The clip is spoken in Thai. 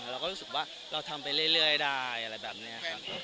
เราก็รู้สึกว่าเราทำไปเรื่อยได้อะไรแบบนี้ครับ